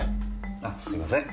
あすいません。